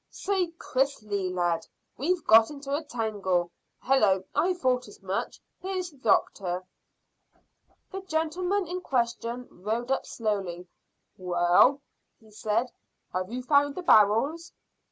Say, Chris Lee, lad, we've got in a tangle. Hallo! I thought as much; here's the doctor." The gentleman in question rode slowly up. "Well," he said, "have you found the barrels?"